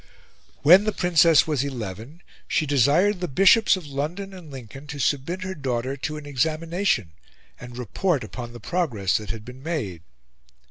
When the Princess was eleven, she desired the Bishops of London and Lincoln to submit her daughter to an examination, and report upon the progress that had been made.